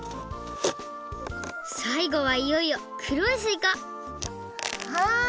さいごはいよいよくろいすいかはい。